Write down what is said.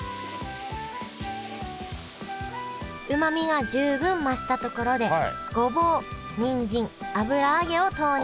うまみが十分増したところでごぼうにんじん油揚げを投入